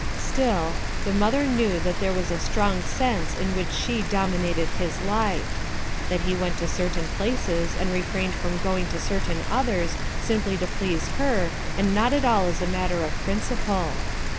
Still, the mother knew that there was a strong sense in which she dominated Ins life. That he went to certain places and refrained from going to certain others simply to please her and not at all as a matter of prin ciple.